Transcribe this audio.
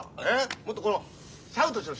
もっとこうシャウトしろ。